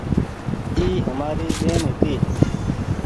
اي همآري ٻين هيتي ۔